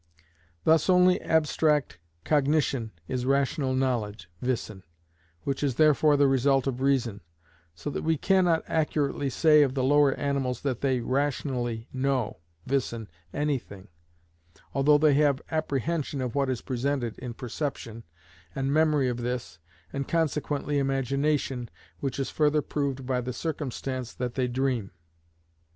Thus only abstract cognition is rational knowledge (wissen), which is therefore the result of reason, so that we cannot accurately say of the lower animals that they _rationally __ know_ (wissen) anything, although they have apprehension of what is presented in perception, and memory of this, and consequently imagination, which is further proved by the circumstance that they dream.